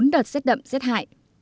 bốn đợt xét đậm xét hại